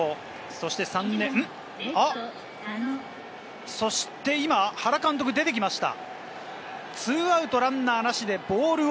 ここは、そして今、原監督が出てきました。